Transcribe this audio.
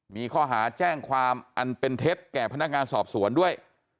มีข้อหาแจ้งความอันเป็นเท็จแก่พนักงานสอบสวนด้วย